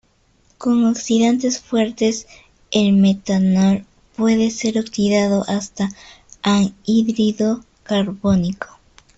Con oxidantes fuertes el metanol puede ser oxidado hasta anhídrido carbónico.